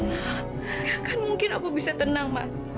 gak akan mungkin aku bisa tenang ma